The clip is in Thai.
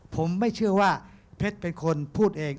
ผมไม่เชื่อว่าเพชรเป็นคนพูดเอง